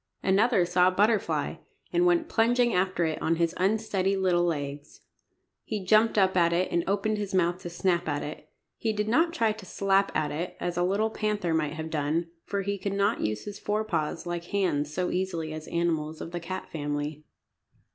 Another saw a butterfly, and went plunging after it on his unsteady little legs. He jumped up at it, and opened his mouth to snap at it. He did not try to slap at it, as a little panther might have done, for he could not use his fore paws like hands so easily as animals of the cat family.